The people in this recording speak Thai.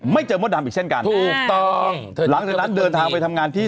เจอมดดำอีกเช่นกันถูกต้องหลังจากนั้นเดินทางไปทำงานที่